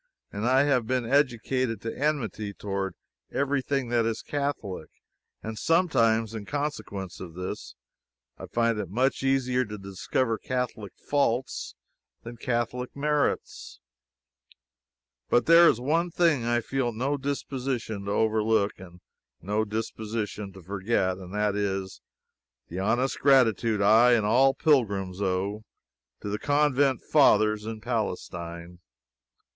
I have been educated to enmity toward every thing that is Catholic, and sometimes, in consequence of this, I find it much easier to discover Catholic faults than Catholic merits. But there is one thing I feel no disposition to overlook, and no disposition to forget: and that is, the honest gratitude I and all pilgrims owe, to the Convent Fathers in Palestine.